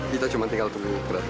kita cuma tinggal tunggu bu maya aja